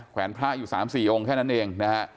แวนพระอยู่๓๔องค์แค่นั้นเองนะฮะ